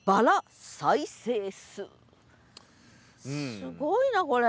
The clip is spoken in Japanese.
すごいなこれ！